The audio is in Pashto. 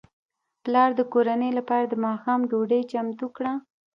پلار د کورنۍ لپاره د ماښام ډوډۍ چمتو کړه.